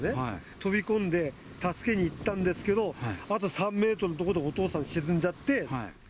飛び込んで、助けに行ったんですけど、あと３メートルの所でお父さん沈んじゃって。